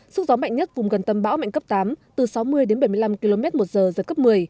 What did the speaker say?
sức gió mạnh nhất vùng gần tâm bão mạnh cấp tám từ sáu mươi đến bảy mươi năm km một giờ giật cấp một mươi